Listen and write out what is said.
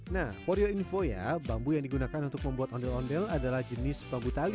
nah for your info ya bambu yang digunakan untuk membuat ondel ondel adalah jenis bambu tali